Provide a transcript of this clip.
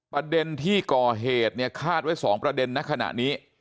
ประเด็นที่ก่อเหตุเนี่ยคาดไว้๒ประเด็นในขณะนี้